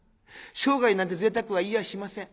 生涯なんて贅沢は言いやしません。